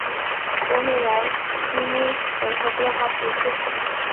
博米莱基伊人口变化图示